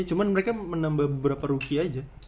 cuma mereka menambah beberapa rookie aja